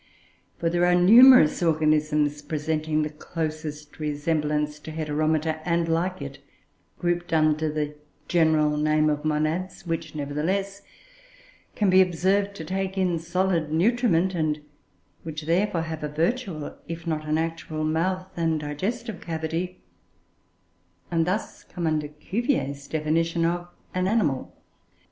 For there are numerous organisms presenting the closest resemblance to Heteromita, and, like it, grouped under the general name of "Monads," which, nevertheless, can be observed to take in solid nutriment, and which, therefore, have a virtual, if not an actual, mouth and digestive cavity, and thus come under Cuvier's definition of an animal.